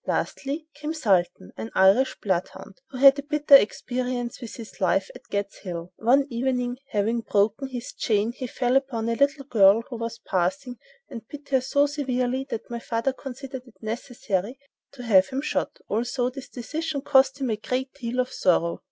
Lastly came "Sultan," an Irish bloodhound, who had a bitter experience with his life at "Gad's Hill." One evening, having broken his chain, he fell upon a little girl who was passing and bit her so severely that my father considered it necessary to have him shot, although this decision cost him a great deal of sorrow.